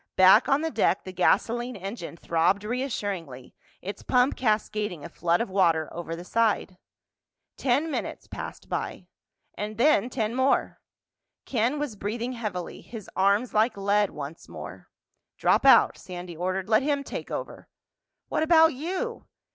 Back on the deck the gasoline engine throbbed reassuringly, its pump cascading a flood of water over the side. Ten minutes passed by—then ten more. Ken was breathing heavily, his arms like lead once more. "Drop out," Sandy ordered. "Let him take over." "What about you?"